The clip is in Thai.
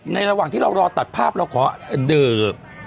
ระหว่างที่เรารอตัดภาพเราขอดื่ม